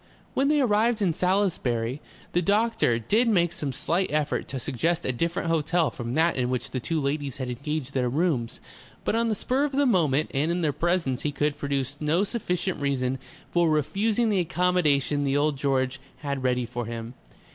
When they arrived in Salisbury, the doctor did make some slight effort to suggest a different hotel from that in which the two ladies had engaged their rooms, but on the spur of the moment and in their presence he could produce no sufficient reason for refusing the accommodation the Old George had ready for him.